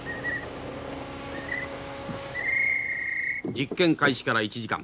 実験開始から１時間。